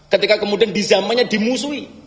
ketika kemudian di zamannya dimusuhi